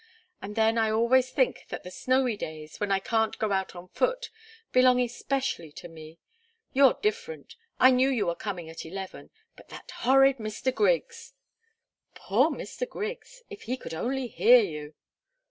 And then I always think that the snowy days, when I can't go out on foot, belong especially to me. You're different I knew you were coming at eleven but that horrid Mr. Griggs!" "Poor Mr. Griggs! If he could only hear you!"